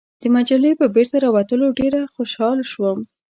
د مجلې په بیرته راوتلو ډېر خوشاله شوم.